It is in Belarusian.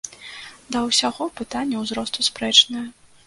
Да ўсяго, пытанне ўзросту спрэчнае.